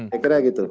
saya kira gitu